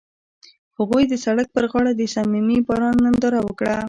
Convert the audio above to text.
هغوی د سړک پر غاړه د صمیمي باران ننداره وکړه.